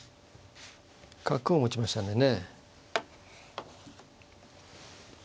角を持ちましたんでね。